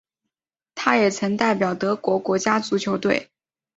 他也曾代表德国国家足球队。